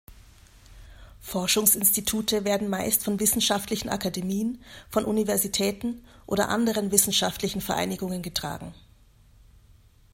Forschungsinstitute werden meist von wissenschaftlichen Akademien, von Universitäten oder anderen wissenschaftlichen Vereinigungen getragen.